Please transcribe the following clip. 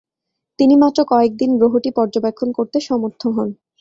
তিনি মাত্র কয়েকদিন গ্রহটি পর্যবেক্ষণ করতে সমর্থ হন।